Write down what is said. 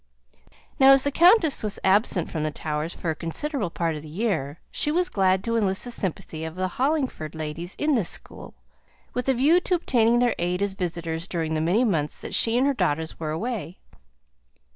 Now, as the countess was absent from the Towers for a considerable part of the year, she was glad to enlist the sympathy of the Hollingford ladies in this school, with a view to obtaining their aid as visitors during the many months that she and her daughters were away.